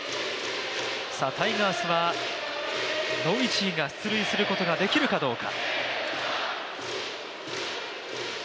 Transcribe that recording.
タイガースはノイジーが出塁することができるかどうか。